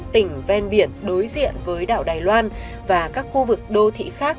tỉnh ven biển đối diện với đảo đài loan và các khu vực đô thị khác